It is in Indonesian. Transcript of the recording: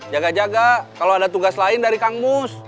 jaga jaga kalau ada tugas lain dari kang mus